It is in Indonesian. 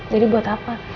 jadi buat apa